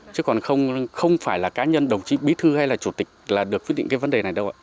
chứ còn không phải là cá nhân đồng chí bí thư hay là chủ tịch là được quyết định cái vấn đề này đâu ạ